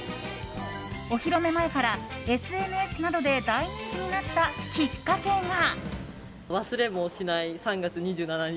お披露目前からＳＮＳなどで大人気になったきっかけが。